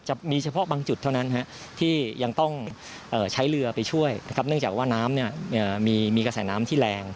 จะมีเฉพาะบางจุดเท่านั้นที่ยังต้องใช้เรือไปช่วยนะครับเนื่องจากว่าน้ำมีกระแสน้ำที่แรง